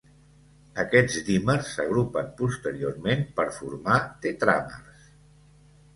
Aquests dímers s’agrupen posteriorment per formar tetràmers.